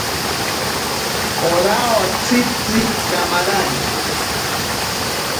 Ora otsitzi kamarari.